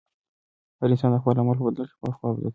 هر انسان د خپل عمل په بدل کې پخپله ځوابګوی دی.